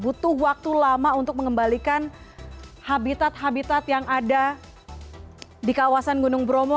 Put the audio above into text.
butuh waktu lama untuk mengembalikan habitat habitat yang ada di kawasan gunung bromo